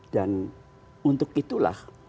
dan untuk itulah